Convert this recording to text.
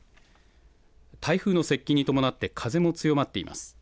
台風の接近に伴って風も強まっています。